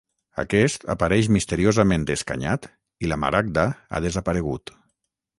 Aquest apareix misteriosament escanyat i la maragda ha desaparegut.